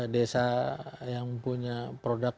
desa yang punya produk